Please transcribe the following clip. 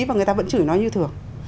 và người ta vẫn chửi nó như thường